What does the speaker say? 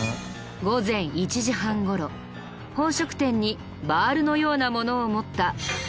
午前１時半頃宝飾店にバールのようなものを持った。